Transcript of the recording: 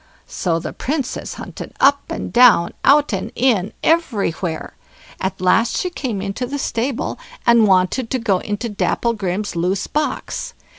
So the Princess hunted up and down, out and in, everywhere; at last she came into the stable, and wanted to go into Dapplegrim's loose box.